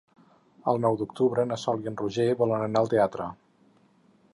El nou d'octubre na Sol i en Roger volen anar al teatre.